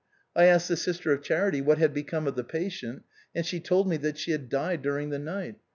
I asked the sister of charity what had become of tlie patient, and she tokl me that she had died during the night.